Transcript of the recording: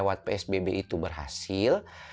lewat psbb itu berhasil